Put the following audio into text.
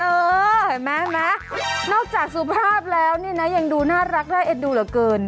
เห็นไหมนอกจากสุภาพแล้วเนี่ยนะยังดูน่ารักน่าเอ็นดูเหลือเกิน